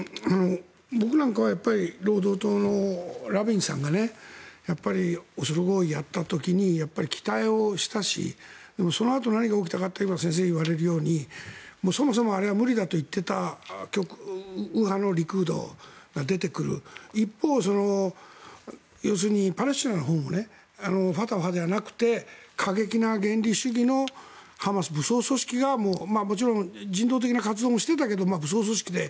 僕なんかは労働党のラビンさんがオスロ合意をやった時に期待をしたしでも、そのあと何が起きたかといえば先生が言われるようにそもそもあれは無理だと言ってた極右派のリクードが出てくる一方、要するにパレスチナのほうもファタハではなくて過激な原理主義のハマス武装組織がもちろん人道的な活動もしてたけど、武装組織で。